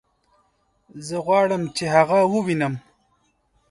زه غواړم چې هغه ووينم